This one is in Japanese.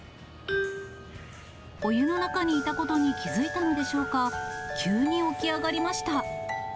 お湯の中にいたことに気付いたのでしょうか、急に起き上がりました。